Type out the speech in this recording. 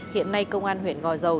hiện nay công an huyện gò dầu